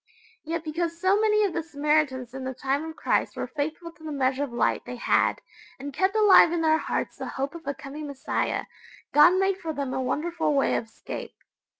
Yet because so many of the Samaritans in the time of Christ were faithful to the measure of light they had, and kept alive in their hearts the hope of a coming Messiah, God made for them a wonderful way of escape.